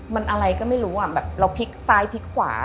มันอะไรก็ไม่รู้อ่ะแบบเราพลิกซ้ายพลิกขวา